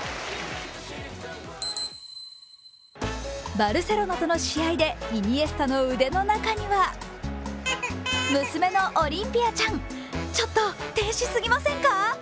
バルセロナとの試合で、イニエスタの腕の中には娘のオリンピアちゃん、ちょっと天使すぎませんか？